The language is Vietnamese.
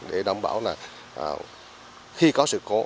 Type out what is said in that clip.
để đảm bảo là khi có sự cố